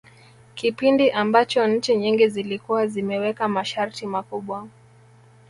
Kipindi ambacho nchi nyingi zilikuwa zimeweka masharti makubwa